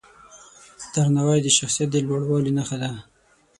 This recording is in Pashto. درناوی د شخصیت د لوړوالي نښه ده.